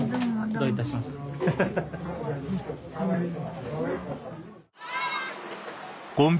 どういたしまして。